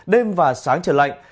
đêm và sáng trời lạnh